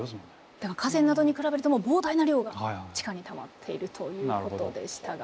だから河川などに比べるともう膨大な量が地下にたまっているということでしたが。